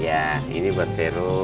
iya ini buat veru